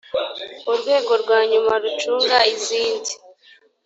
urwego rwa nyuma rucunga izindi.